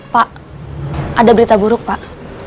pak ada berita buruk pak